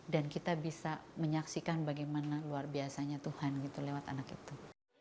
dan kita bisa menyaksikan bagaimana luar biasanya tuhan lewat anak itu